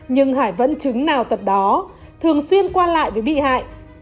nhưng hải vẫn chứng nào tật đó thường xuyên quan lại với bị hải